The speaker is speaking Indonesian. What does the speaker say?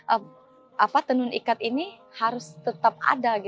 apa tenun ikat ini harus tetap ada